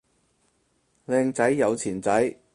靚仔有錢仔